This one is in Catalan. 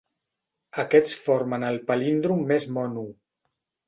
Aquests formen el palíndrom més mono.